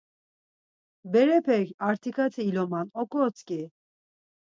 Berepek artikati iloman, oǩotzǩi.